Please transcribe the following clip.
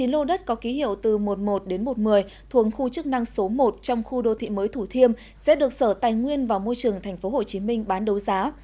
chín lô đất có ký hiệu từ một mươi một đến một mươi thuồng khu chức năng số một trong khu đô thị mới thủ thiêm sẽ được sở tài nguyên và môi trường tp hcm bán đấu giá